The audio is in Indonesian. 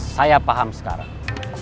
saya paham sekarang